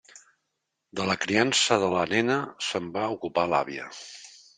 De la criança de la nena se'n va ocupar l'àvia.